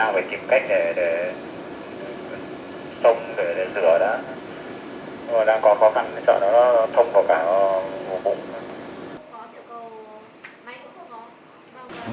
đang có khó khăn thì sợ nó xông vào cả ngủ bụng